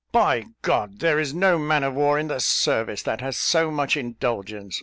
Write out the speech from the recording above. "By G d, there is no man of war in the service that has so much indulgence.